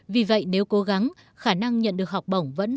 vì vậy nếu cố gắng khả năng nhận được học bổng vẫn rộng mở